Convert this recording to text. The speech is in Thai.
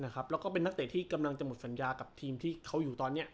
แล้วก็เป็นนักเตะที่กำลังจะหมดสัญญากับทีมที่เขาอยู่ตอนนี้